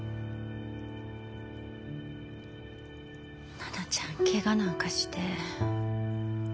奈々ちゃんケガなんかして。